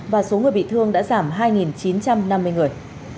và số người bị thương đã giảm hai chín trăm năm mươi người